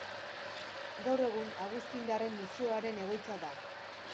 Gaur egun Agustindarren Museoaren egoitza da.